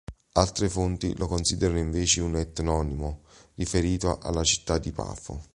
Altre fonti lo considerano invece un etnonimo, riferito alla città di Pafo.